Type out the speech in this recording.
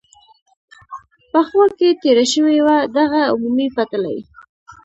په خوا کې تېره شوې وه، دغه عمومي پټلۍ.